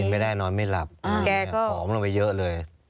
ไม่ได้นอนไม่หลับผอมลงไปเยอะเลย